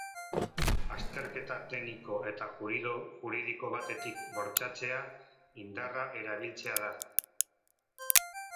Azterketa tekniko eta juridiko batetik bortxatzea indarra erabiltzea da.